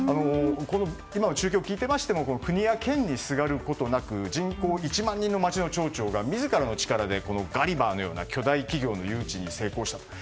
今の中継を聞いていましても国や県にすがることなく人口１万人の町の町長が自らの力でガリバーのような巨大企業の誘致に成功したと。